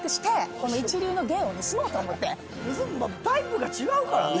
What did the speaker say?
タイプが違うからね。